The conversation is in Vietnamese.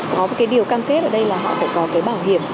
có một cái điều cam kết ở đây là họ phải có cái bảo hiểm